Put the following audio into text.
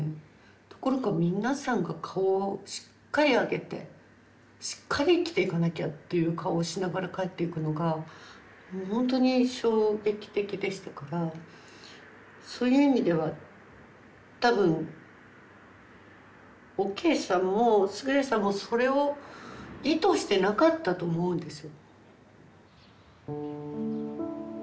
ところが皆さんが顔をしっかり上げてしっかり生きていかなきゃという顔をしながら帰っていくのがもうほんとに衝撃的でしたからそういう意味では多分おケイさんも勝さんもそれを意図してなかったと思うんですよ。